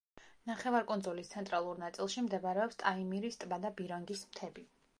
ნახევარკუნძულის ცენტრალურ ნაწილში მდებარეობს ტაიმირის ტბა და ბირანგის მთები.